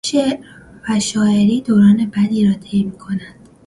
شعر و شاعری دوران بدی را طی میکند.